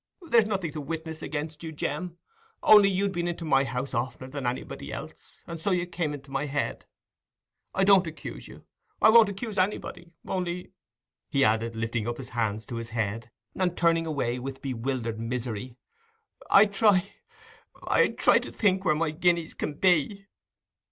There's nothing to witness against you, Jem. Only you'd been into my house oftener than anybody else, and so you came into my head. I don't accuse you—I won't accuse anybody—only," he added, lifting up his hands to his head, and turning away with bewildered misery, "I try—I try to think where my guineas can be."